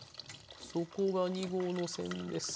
そこが２合の線です。